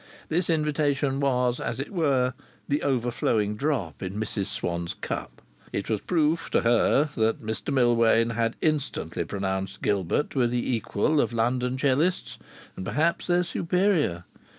This invitation was, as it were, the overflowing drop in Mrs Swann's cup. It was proof, to her, that Mr Millwain had instantly pronounced Gilbert to be the equal of London 'cellists, and perhaps their superior.